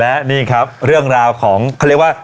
และนี่ครับเรื่องราวของเขาเรียกว่า